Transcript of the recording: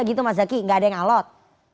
gak ada yang alot